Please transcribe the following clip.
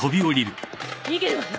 逃げるわよ。